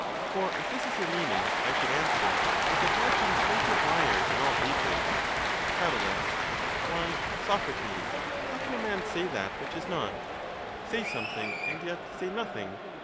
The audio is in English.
For if this is your meaning I should answer, that there have been plenty of liars in all ages. Crat. Why, Socrates, how can a man say that which is not? — say something and yet say nothing?